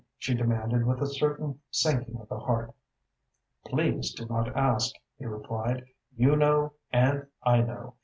she demanded, with a sudden sinking of the heart. "Please do not ask," he replied. "You know and I know.